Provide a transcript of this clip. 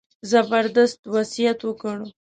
زبردست وصیت وکړ.